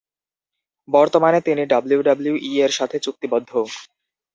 বর্তমানে তিনি ডব্লিউডব্লিউই-এর সাথে চুক্তিবদ্ধ।